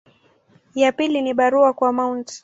Ya pili ni barua kwa Mt.